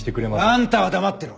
あんたは黙ってろ。